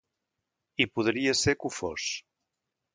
I podria ser que ho fos.